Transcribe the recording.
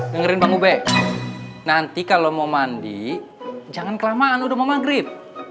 dengerin bang ubek nanti kalau mau mandi jangan kelamaan udah mau maghrib